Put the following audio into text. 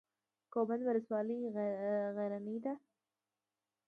کوه بند ولسوالۍ غرنۍ ده؟